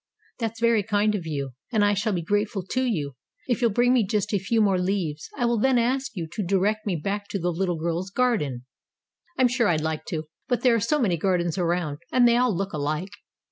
"That's very kind of you. And I shall be grateful to you! If you'll bring me just a few more leaves, I will then ask you to direct me back to the little girl's garden." "I'm sure I'd like to, but there are so many gardens around, and they all look alike."